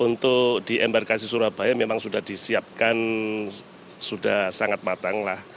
untuk di embarkasi surabaya memang sudah disiapkan sudah sangat matang lah